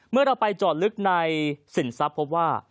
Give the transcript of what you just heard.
เมื่อเราไปจอดลึกในสินทรัพย์พบว่า